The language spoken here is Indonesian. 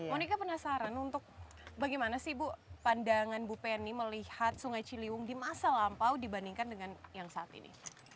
monika penasaran bagaimana pandangan ibu penny melihat sungai ciliwung di masa lampau dibandingkan dengan yang saat ini